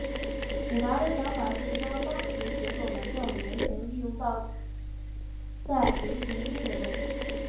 史达的想法是将当时节奏蓝调的原型利用到在流行音乐中。